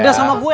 udah sama gue